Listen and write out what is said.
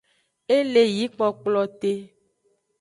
E le yi kplokplote.